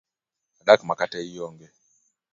Adak makata ionge.